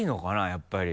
やっぱり。